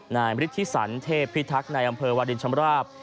นายมฤทธิสันเทพพิทักษ์ในอำเภอวาดินชำราบ